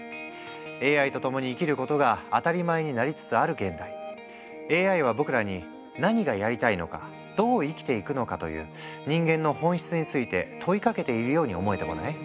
ＡＩと共に生きることが当たり前になりつつある現代ＡＩは僕らに何がやりたいのかどう生きていくのかという人間の本質について問いかけているように思えてこない？